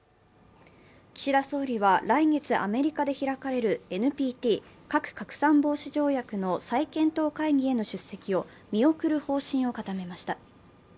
岸田総理は来月アメリカで開かれるＮＰＴ＝核拡散防止条約の再検討会議への出席を見送る方針を固めました。